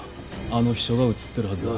あの秘書が映ってるはずだ。